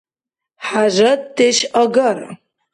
ХӀяжатдеш агара.